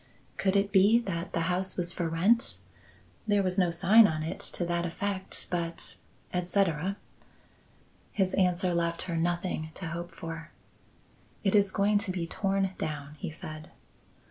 Could it be that the house was for rent? There was no sign on it to that effect, but etc. His answer left her nothing to hope for. "It is going to be torn down," he said.